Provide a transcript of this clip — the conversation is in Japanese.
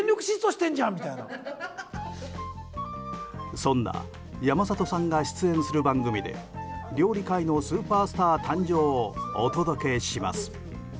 そんな山里さんが出演する番組で料理界のスーパースター誕生をお届けします。